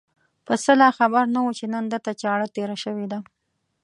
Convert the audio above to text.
پسه لا خبر نه و چې نن ده ته چاړه تېره شوې ده.